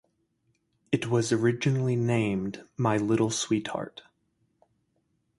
It was originally named "My Little Sweetheart".